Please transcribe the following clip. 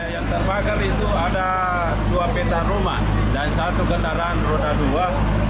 yang terbakar itu ada dua peta rumah dan satu kendaraan roda dua